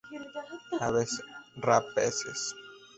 Aves rapaces.